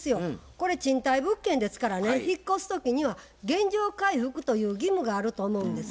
これ賃貸物件ですからね引っ越す時には原状回復という義務があると思うんです。